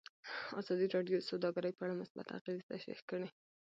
ازادي راډیو د سوداګري په اړه مثبت اغېزې تشریح کړي.